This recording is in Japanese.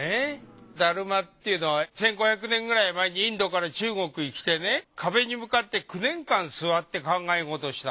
達磨っていうのは１５００年くらい前にインドから中国に来てね壁に向かって９年間座って考え事をした。